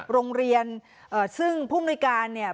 โรงเรียนซึ่งผู้มนุยการเนี่ย